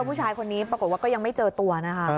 ผู้ชายคนนี้ปรากฏว่าก็ยังไม่เจอตัวนะคะ